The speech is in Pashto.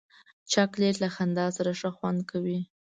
چاکلېټ له خندا سره ښه خوند کوي.